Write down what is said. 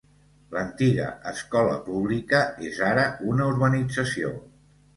L'antiga escola pública és ara una urbanització.